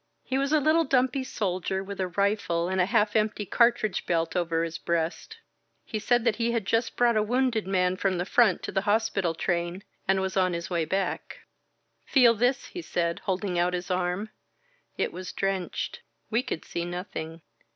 He was a little dumpy soldier with a rifle and a half empty cartridge belt over his breast. He said that he had just brought a wounded man from the front to the hospital train and was on his way back. "Feel this," he said, holding out his arm. It was drenched. We could see nothing.